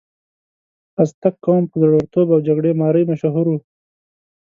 ازتک قوم په زړورتوب او جګړې مارۍ مشهور و.